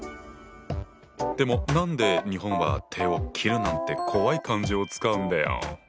でも何で日本は手を切るなんて怖い漢字を使うんだよ？